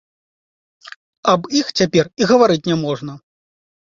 Аб іх цяпер і гаварыць не можна.